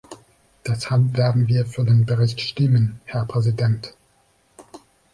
Deshalb werden wir für den Bericht stimmen, Herr Präsident.